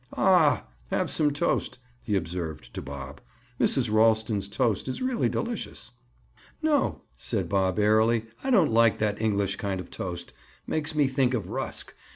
"Aw!—Have some toast," he observed to Bob. "Mrs. Ralston's toast is really delicious." "No," said Bob airily. "I don't like that English kind of toast. Makes me think of rusk!